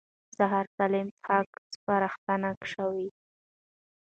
سهار سالم څښاک سپارښتنه شوه.